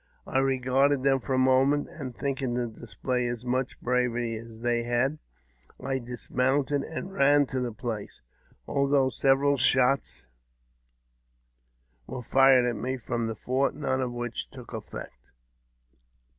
I regarded them for a moment, and, thinking to display as much bravery as they had, I dismounted and ran to the place, although several shots were fired at me from the fort, none of which took effect.